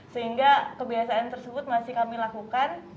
sehingga kebiasaan tersebut masih kami lakukan